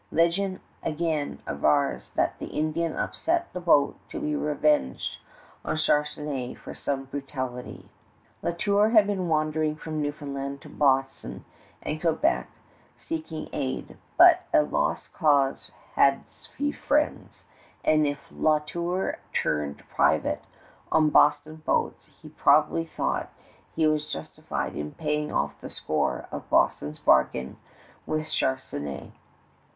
Legend again avers that the Indian upset the boat to be revenged on Charnisay for some brutality. [Illustration: MAP OF ANNAPOLIS BASIN] La Tour had been wandering from Newfoundland to Boston and Quebec seeking aid, but a lost cause has few friends, and if La Tour turned pirate on Boston boats, he probably thought he was justified in paying off the score of Boston's bargain with Charnisay.